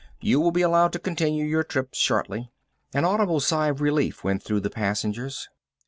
"You will be allowed to continue your trip shortly." An audible sigh of relief went through the passengers.